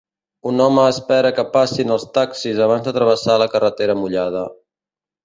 Un home espera que passin els taxis abans de travessar la carretera mullada